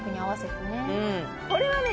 これはね